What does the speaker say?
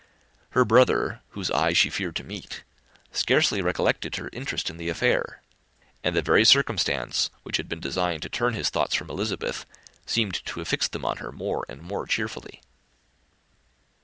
Her brother, whose eye she feared to meet, scarcely recollected her interest in the affair; and the very circumstance which had been designed to turn his thoughts from Elizabeth, seemed to have fixed them on her more and more cheerfully.